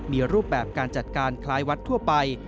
มีรูปแบบการจัดการคล้ายวัดทั่วไป